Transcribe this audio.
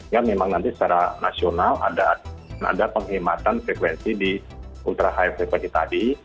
yang memang nanti secara nasional ada penghematan frekuensi di ultra high frekuensi tadi